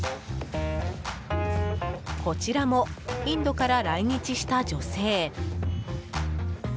こちらもインドから来日した女性。